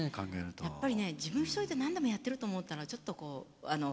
やっぱりね自分一人で何でもやってると思ったらちょっとこうあの。